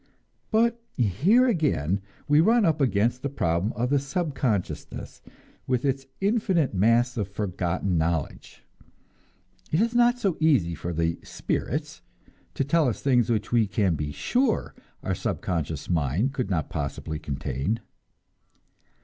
But here again we run up against the problem of the subconsciousness, with its infinite mass of "forgotten" knowledge. It is not so easy for the "spirits" to tell us things which we can be sure our subconscious mind could not possibly contain.